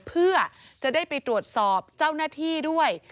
เพื่อจะได้ไปตรวจสอบเจ้าหน้าที่ด้วย